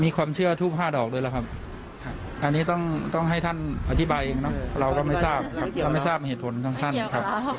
มีความเชื่อทุบห้าดอกเลยละครับอันนี้ต้องให้ท่านอธิบายเองนะเราก็ไม่ทราบเหตุผลทั้งท่านครับ